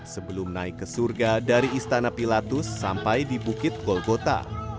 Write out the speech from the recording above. sebelum naik ke surga dari istana pilatus sampai di bukit golgota